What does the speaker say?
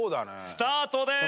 スタートです！